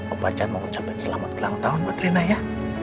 om pachan mau ucapkan selamat ulang tahun buat rena ya